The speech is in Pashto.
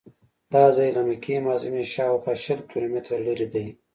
دا ځای له مکې معظمې شاوخوا شل کیلومتره لرې دی.